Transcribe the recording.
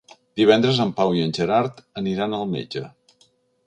Divendres en Pau i en Gerard aniran al metge.